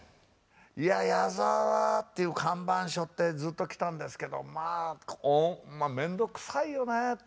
いや「矢沢」っていう看板しょってずっと来たんですけどまあ面倒くさいよねって。